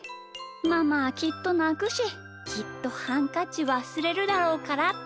ママはきっとなくしきっとハンカチわすれるだろうからって。